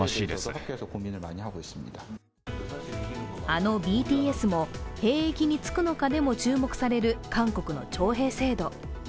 あのＢＴＳも兵役に就くのかでも注目される韓国の徴兵制度。